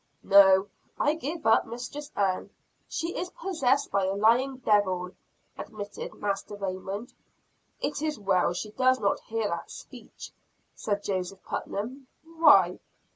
"No, I give up Mistress Ann, she is possessed by a lying devil," admitted Master Raymond. "It is well she does not hear that speech," said Joseph Putnam. "Why?"